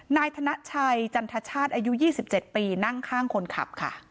นายธนชัยจันทชาติอายุ๒๗ปีนั่งข้างคนขับค่ะ